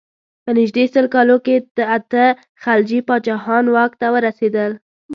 په نژدې سل کالو کې اته خلجي پاچاهان واک ته ورسېدل.